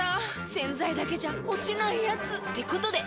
⁉洗剤だけじゃ落ちないヤツってことで。